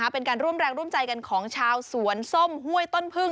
เป็นการร่วมแรงร่วมใจกันของชาวสวนส้มห้วยต้นพึ่ง